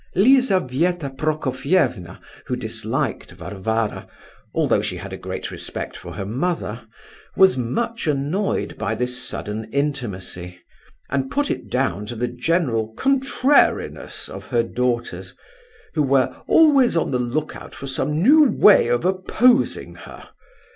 Lizabetha Prokofievna, who disliked Varvara, although she had a great respect for her mother, was much annoyed by this sudden intimacy, and put it down to the general "contrariness" of her daughters, who were "always on the lookout for some new way of opposing her."